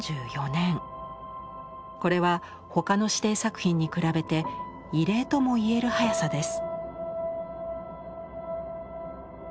これは他の指定作品に比べて異例とも言える早さです。